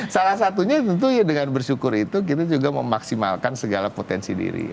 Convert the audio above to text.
salah satunya tentu ya dengan bersyukur itu kita juga memaksimalkan segala potensi diri